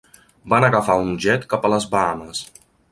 Van agafar un jet cap a les Bahames.